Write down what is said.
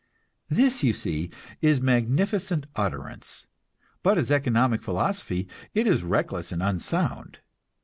This, you see, is magnificent utterance, but as economic philosophy it is reckless and unsound.